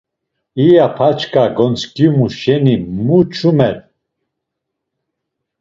İya p̌aç̌ǩa gontzǩimu şeni mu çumer?